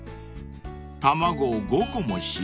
［卵を５個も使用］